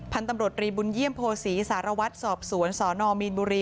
พันธุ์ตำรวจรีบุญเยี่ยมโพศีสารวัตรสอบสวนสนมีนบุรี